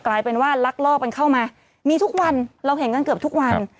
กลายเป็นว่าลักลอบกันเข้ามามีทุกวันเราเห็นกันเกือบทุกวัน